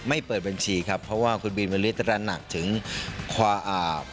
ไม่เปิดบัญชีครับเพราะว่าคุณบิลเบคลิตระหนักถึงคว้าอาบ